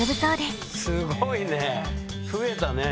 すごいね。